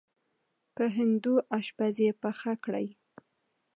په هندو اشپز یې پخه کړې.